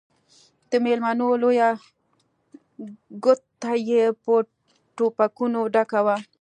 د ميلمنو لويه کوټه يې په ټوپکوالو ډکه وه.